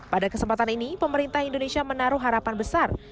pada kesempatan ini pemerintah indonesia menaruh harapan besar